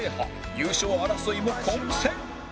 優勝争いも混戦